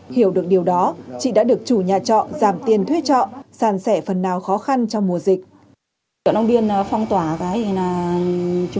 hiểu được điều đó chị đã được chủ nhà trọ giảm tiền thuê trọ sàn sẻ phần nào khó khăn trong mùa dịch